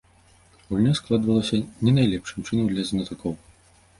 Гульня складвалася не найлепшым чынам для знатакоў.